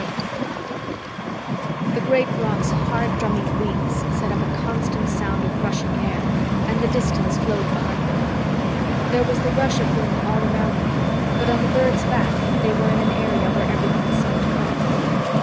VIII The great roc's hard drumming wings set up a constant sound of rushing air and the distance flowed behind them. There was the rush of wind all around them, but on the bird's back they were in an area where everything seemed calm.